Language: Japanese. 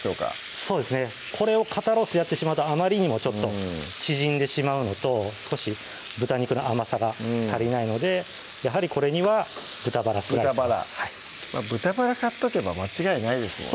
そうですねこれを肩ロースでやってしまうとあまりにもちょっと縮んでしまうのと少し豚肉の甘さが足りないのでやはりこれには豚バラスライスが豚バラ豚バラ買っとけば間違いないですもんね